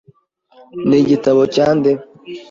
Ni igitabo cya nde?